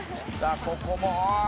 「さあここもああ